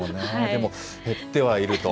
でも、減ってはいると。